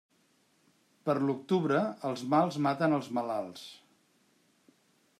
Per l'octubre, els mals maten els malalts.